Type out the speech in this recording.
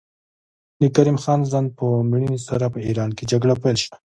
د کریم خان زند په مړینې سره په ایران کې جګړه پیل شوه.